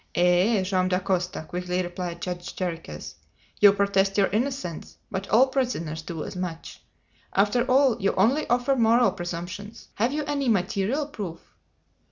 "Eh! Joam Dacosta," quickly replied Judge Jarriquez. "You protest your innocence; but all prisoners do as much! After all, you only offer moral presumptions. Have you any material proof?"